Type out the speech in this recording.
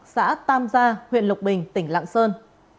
xã tam gia huyện lục bình tỉnh lạng sơn